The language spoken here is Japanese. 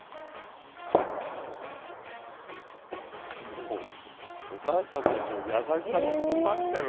もうおかあさんたちの優しさも詰まってる。